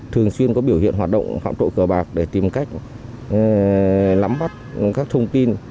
thường xuyên có biểu hiện hoạt động phạm tội cờ bạc để tìm cách nắm bắt các thông tin